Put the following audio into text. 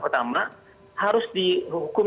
pertama harus dihukum